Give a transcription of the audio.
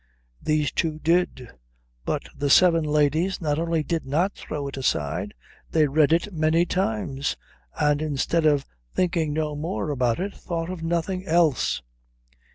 These two did; but the seven ladies not only did not throw it aside, they read it many times, and instead of thinking no more about it thought of nothing else.